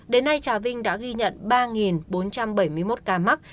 đến nay trà vinh đã ghi nhận ba bốn trăm bảy mươi một ca mắc